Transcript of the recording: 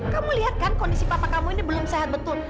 kamu lihat kan kondisi papa kamu ini belum sehat betul